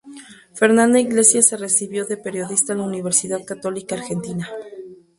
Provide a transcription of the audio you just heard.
Fernanda Iglesias se recibió de periodista en la Universidad Católica Argentina.